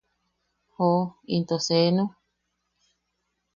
¡Joo, into seenu!